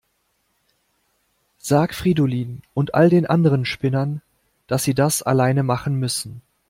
Sag Fridolin und all den anderen Spinnern, dass sie das alleine machen müssen.